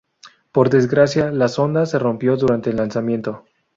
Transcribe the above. Por desgracia, la sonda se rompió durante el lanzamiento.